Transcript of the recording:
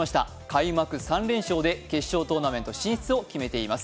開幕３連勝で決勝トーナメント進出を決めています。